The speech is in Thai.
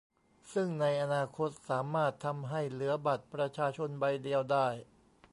ซึ่งในอนาคตสามารถทำให้เหลือบัตรประชาชนใบเดียวได้